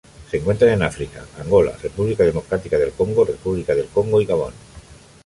Se encuentran en África: Angola, República Democrática del Congo, República del Congo y Gabón.